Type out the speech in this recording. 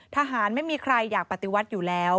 ทหารไม่มีใครอยากปฏิวัติอยู่แล้ว